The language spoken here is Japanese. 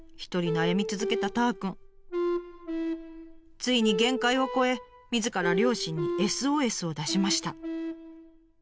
ついに限界を超えみずから両親にＳＯＳを出しました。